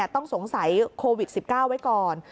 ต้องสงสัยโควิด๑๙ไว้ก่อน